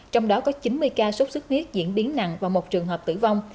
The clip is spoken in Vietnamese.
trong đó có chín mươi ca sốt xuất huyết diễn biến nặng và một trường hợp tử vong